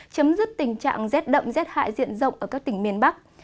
chấm dứt tình trạng rét đậm rét hại diện rộng ở các tỉnh miền bắc